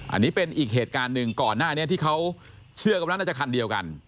อันนี้เป็นอีกเหตุการณ์หนึ่งก่อนหน้านี้ที่เขาเชื่อกันว่าน่าจะคันเดียวกัน